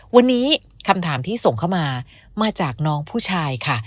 วันนี้คำถามที่ส่งเข้ามามาจากน้องผู้ชายค่ะ